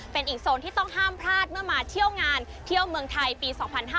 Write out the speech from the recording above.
เป็นอีกโซนที่ต้องห้ามพลาดเมื่อมาเที่ยวงานเที่ยวเมืองไทยปี๒๕๕๙